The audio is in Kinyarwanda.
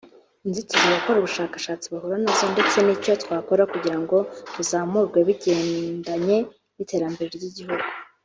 inzitizi abakora ubushakashatsi bahura nazo ndetse n’icyo twakora kugira ngo buzamurwe bigendanye n’iterambere ry’igihugu“